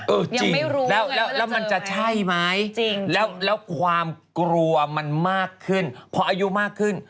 เออจริงแล้วมันจะใช่ไหมจริงแล้วความกลัวมันมากขึ้นพออายุมากขึ้น